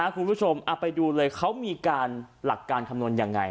คุณผู้ชมเอาไปดูเลยเขามีการหลักการคำนวณยังไง